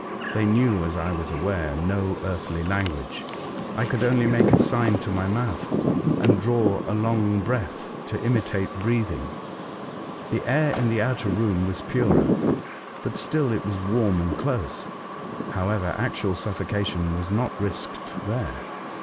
They knew, as I was aware, no earthly language. I could only make a sign to my mouth, and draw a long breath to imitate breathing. The air in the outer room was purer, but still it was warm and close. How 208 A Voyage to Other Worlds. ever, actual suffocation was not risked there.